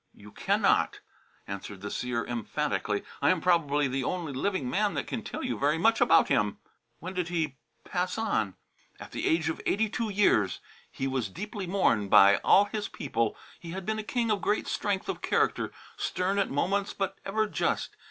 "You cannot," answered the seer emphatically. "I am probably the only living man that can tell you very much about him." "When did he pass on?" "At the age of eighty two years. He was deeply mourned by all his people. He had been a king of great strength of character, stern at moments, but ever just.